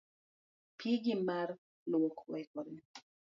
Pigi mar luok oikore